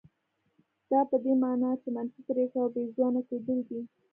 دا په دې مانا چې منفي پرېکړه او بې ځواکه کېدل دي.